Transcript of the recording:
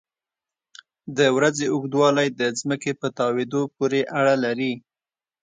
د ورځې اوږدوالی د ځمکې په تاوېدو پورې اړه لري.